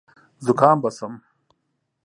زکام به شم .